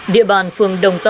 địa bàn phường đồng tàu